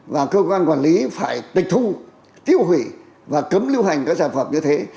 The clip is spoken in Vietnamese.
và cơ quan quản lý phải tịch thu tiêu hủy và cấm lưu hành các sản phẩm như thế